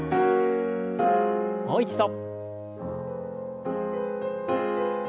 もう一度。